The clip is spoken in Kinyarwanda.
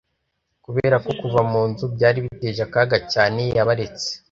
kubera ko kuva mu nzu byari biteje akaga cyane yabaretse.